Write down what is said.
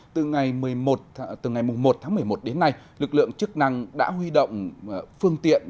từ ngày một tháng một mươi một đến nay lực lượng chức năng đã huy động phương tiện